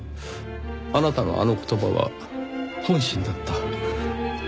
あなたのあの言葉は本心だった。